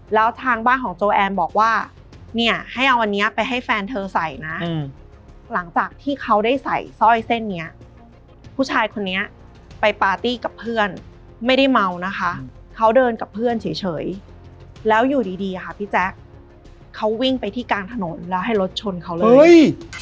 แล้วทางบ้านของโจแอนบอกว่าเนี่ยให้เอาอันนี้ไปให้แฟนเธอใส่นะหลังจากที่เขาได้ใส่สร้อยเส้นนี้ผู้ชายคนนี้ไปปาร์ตี้กับเพื่อนไม่ได้เมานะคะเขาเดินกับเพื่อนเฉยแล้วอยู่ดีค่ะพี่แจ๊คเขาวิ่งไปที่กลางถนนแล้วให้รถชนเขาเลย